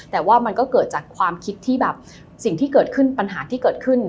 แต่ว่ามันก็เกิดจากความคิดที่แบบสิ่งที่เกิดขึ้นปัญหาที่เกิดขึ้น